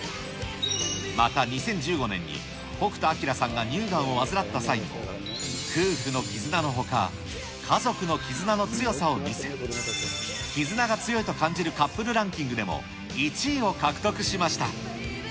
また２０１５年に、北斗晶さんが乳がんを患った際にも、夫婦の絆のほか、家族の絆の強さを見せ、絆が強いと感じるカップルランキングでも１位を獲得しました。